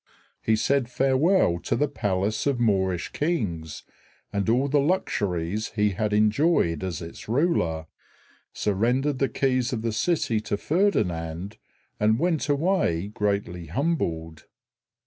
He said farewell to the palace of Moorish kings and all the luxuries he had enjoyed as its ruler, surrendered the keys of the city to Ferdinand, and went away greatly humbled.